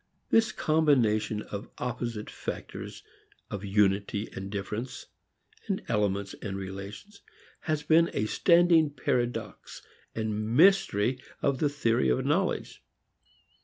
This combination of opposite factors of unity and difference, elements and relations, has been a standing paradox and mystery of the theory of knowledge.